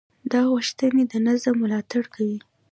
دا غوښتنې د نظم ملاتړ کوي.